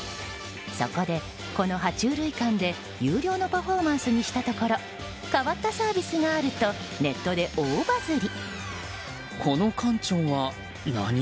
そこで、この爬虫類館で有料のパフォーマンスにしたところ変わったサービスがあるとネットで大バズり。